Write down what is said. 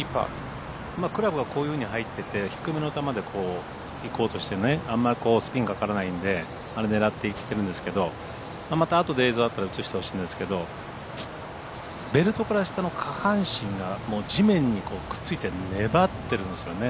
クラブがこういうふうに入ってて、低めの球でいこうとしてあんまスピンがかからないんであれ狙っていってるんですけどまたあとで映像あったら映してほしいんですけどベルトから下の下半身が地面にくっついて粘ってるんですよね。